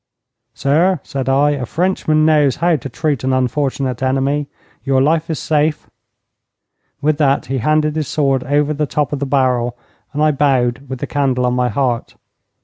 'Sir,' said I, 'a Frenchman knows how to treat an unfortunate enemy. Your life is safe.' With that he handed his sword over the top of the barrel, and I bowed with the candle on my heart.